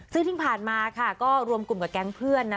ซึ่งที่ผ่านมาก็รวมกลุ่มกับแก๊งเพื่อน